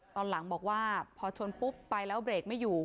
ตอนหลังบอกว่าพอชนปุ๊บไปแล้วเบรกไม่อยู่